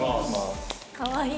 かわいい。